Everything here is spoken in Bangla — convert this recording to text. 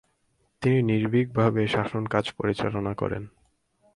তিনি নির্ভীকভাবে শাসনকাজ পরিচালনা করেন।